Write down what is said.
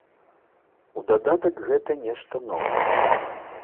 У дадатак гэта нешта новае.